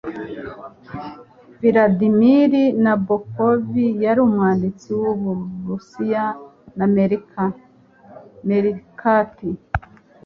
Vladimir Nabokov yari umwanditsi w’Uburusiya n’Amerika. (meerkat)